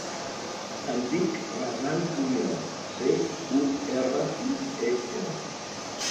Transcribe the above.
Em dic Razan Curiel: ce, u, erra, i, e, ela.